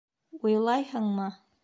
— Уйлайһыңмы?